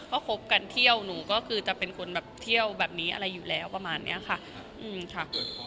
ก็คบกันเที่ยวหนูก็คือจะเป็นคนแบบเที่ยวแบบนี้อะไรอยู่แล้วประมาณนี้ค่ะ